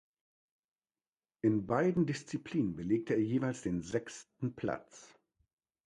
In beiden Disziplinen belegte er jeweils den sechsten Platz.